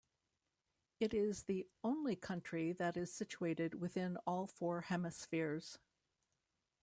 It is the only country that is situated within all four hemispheres.